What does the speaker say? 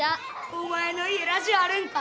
お前の家ラジオあるんか。